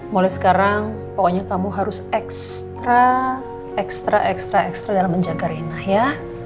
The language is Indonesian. mulai sekarang pokoknya kamu harus ekstra ekstra ekstra ekstra dalam menjaga rinah ya